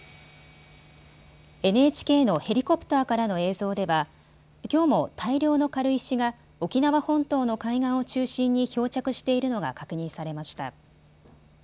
ＮＨＫのヘリコプターからの映像ではきょうも大量の軽石が沖縄本島の海岸を中心に漂着しているのが確認されました。